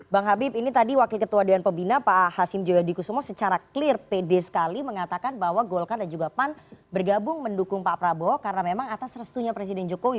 bang habib ini tadi wakil ketua dewan pembina pak hasim joyo dikusumo secara clear pede sekali mengatakan bahwa golkar dan juga pan bergabung mendukung pak prabowo karena memang atas restunya presiden jokowi